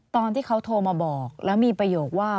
ตอนที่เขาโทรมาบอกแล้วมีประโยคว่า